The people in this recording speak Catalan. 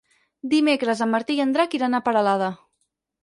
Dimecres en Martí i en Drac iran a Peralada.